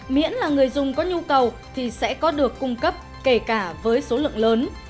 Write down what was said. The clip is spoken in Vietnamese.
miễn là người dùng có nhu cầu thì sẽ có được cung cấp kể cả với số lượng lớn